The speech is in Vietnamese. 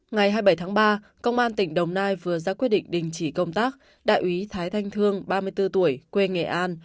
ngày hai mươi bảy tháng ba công an tỉnh đồng nai vừa ra quyết định đình chỉ công tác đại úy thái thanh thương ba mươi bốn tuổi quê nghệ an